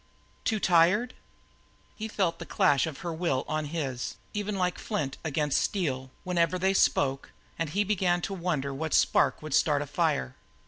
"Too tired?" He felt the clash of her will on his, even like flint against steel, whenever they spoke, and he began to wonder what spark would start a fire.